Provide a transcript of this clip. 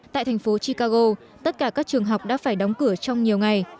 tại thành phố chicago tất cả các trường học đã phải đóng cửa trong nhiều ngày